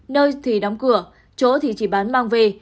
nơi thì đóng cửa chỗ thì chỉ bán mang về